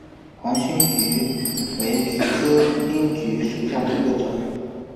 黄胸鹬为鹬科滨鹬属下的一个种。